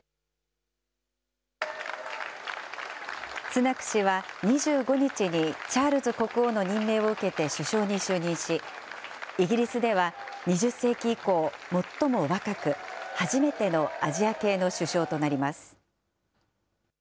スナク氏は２５日にチャールズ国王の任命を受けて首相に就任し、イギリスでは２０世紀以降、最も若く、初めてのアジア系の首相となります。